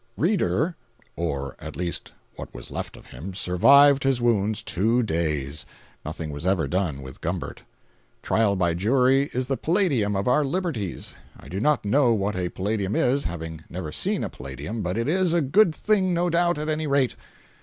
Reeder—or at least what was left of him—survived his wounds two days! Nothing was ever done with Gumbert. Trial by jury is the palladium of our liberties. I do not know what a palladium is, having never seen a palladium, but it is a good thing no doubt at any rate.